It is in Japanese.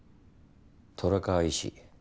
虎川医師